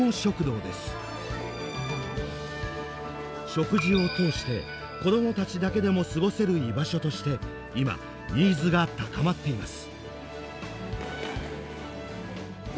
食事を通して子どもたちだけでも過ごせる居場所として今ニーズが高まっています。